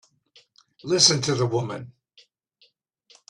Listen to the woman!